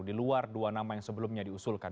di luar dua nama yang sebelumnya diusulkan